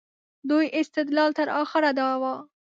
دوی استدلال تر اخره دا و.